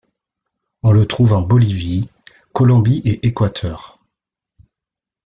On le trouve en Bolivie, Colombie et Équateur.